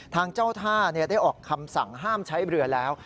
ทางเจ้าท่าได้ออกคำสั่งห้ามใช้เรือแล้ว